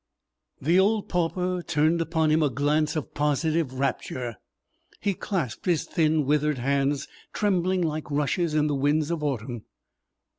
The old pauper turned upon him a glance of positive rapture. He clasped his thin, withered hands, trembling like rushes in the winds of autumn.